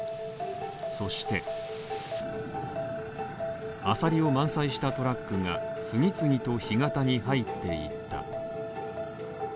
そして、アサリを満載したトラックが次々と干潟に入っていった。